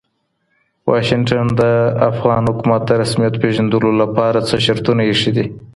واشنګټن د افغان حکومت د رسمیت پېژندلو لپاره څه شرطونه ایښي دي؟